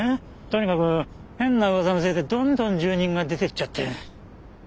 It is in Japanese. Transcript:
とにかく変な噂のせいでどんどん住人が出て行っちゃって。